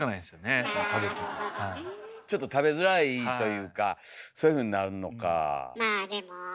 ちょっと食べづらいというかそういうふうになるのか。